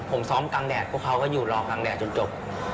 ผมซ้อมกลางแดดพวกเขาก็อยู่รอกลางแดดจนจบ